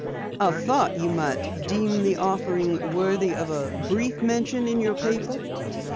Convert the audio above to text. "I thought you might deem the offering worthy of a brief mention in your paper."